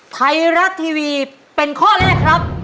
ไทยรัฐทีวีเป็นข้อแรกครับ